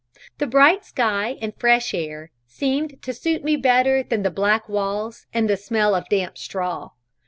The bright sky and fresh air seemed to suit me better than black walls and the smell of damp straw.